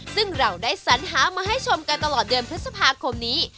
ซึ่งเราได้สัญหามาให้ชมกันตลอดเดือนพฤษภาคมนี้